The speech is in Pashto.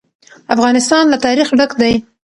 افغانستان له تاریخ ډک دی.